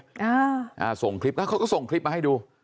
อ่าอ่าส่งคลิปแล้วเขาก็ส่งคลิปมาให้ดู